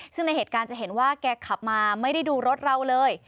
ซึ่งในเหตุการณ์จะเห็นว่าแกขับมาไม่ได้ดูรถเราเลย